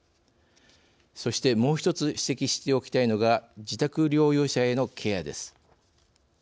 そして、もう１つ指摘しておきたいのが自宅療養者へのケアです。